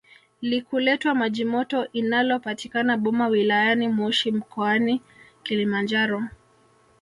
likuletwa majimoto inalopatikana boma wilayani moshi mkoani Kilimanjaro